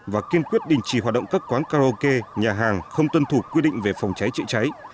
và kiên quyết đình chỉ hoạt động các quán karaoke nhà hàng không tuân thủ quy định về phòng cháy chữa cháy